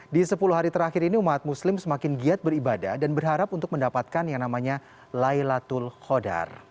di sepuluh hari terakhir ini umat muslim semakin giat beribadah dan berharap untuk mendapatkan yang namanya laylatul qodar